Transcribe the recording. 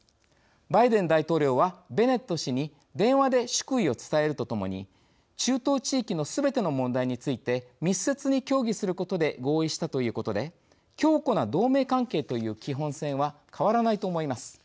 バイデン大統領はベネット氏に電話で祝意を伝えるとともに中東地域のすべての問題について密接に協議することで合意したということで強固な同盟関係という基本線は変わらないと思います。